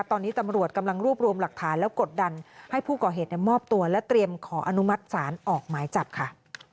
ตอนนี้ตำรวจกำลังรวบรวมหลักฐานแล้วกดดันให้ผู้ก่อเหตุมอบตัวและเตรียมขออนุมัติศาลออกหมายจับค่ะ